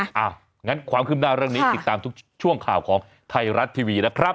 อย่างนั้นความขึ้นหน้าเรื่องนี้ติดตามทุกช่วงข่าวของไทยรัฐทีวีนะครับ